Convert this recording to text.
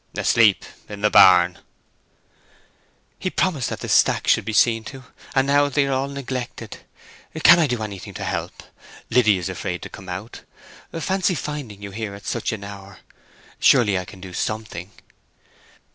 "Asleep in the barn." "He promised that the stacks should be seen to, and now they are all neglected! Can I do anything to help? Liddy is afraid to come out. Fancy finding you here at such an hour! Surely I can do something?"